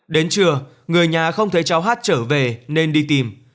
đến trưa người nhà không thấy cháu hát trở về nên đi tìm